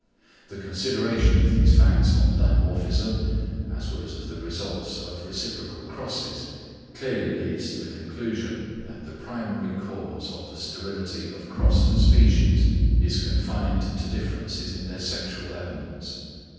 The consideration of these facts on dimorphism, as well as of the results of reciprocal crosses, clearly leads to the conclusion that the primary cause of the sterility of crossed species is confined to differences in their sexual elements.